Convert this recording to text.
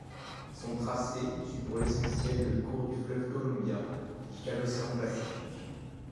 Son tracé suit pour l'essentiel le cours du fleuve Columbia jusqu'à l'océan Pacifique.